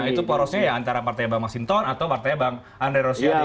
nah itu porosnya ya antara partai bang masinton atau partainya bang andre rosiade